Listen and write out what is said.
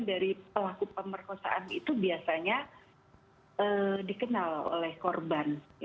dari pelaku pemerkosaan itu biasanya dikenal oleh korban